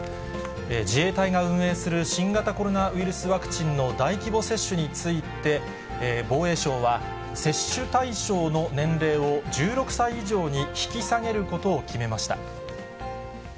自衛隊が運営する新型コロナウイルスワクチンの大規模接種について、防衛省は接種対象の年齢を１６歳以上に引き下げることを決めました。